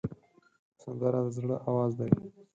سندره د زړه آواز دی